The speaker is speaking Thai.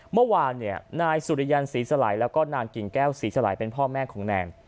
เมื่อวานเนี่ยนายสุริยันศรีสลายแล้วก็นางกิ่งแก้วศรีสลายเป็นพ่อแม่ของแนน